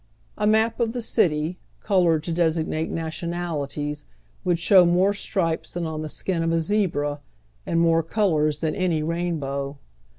A map of tlie city, colored to designate nation alities, woidd sliow more stripes than on tlie skin of a ze bra, and more colors than any rainbow.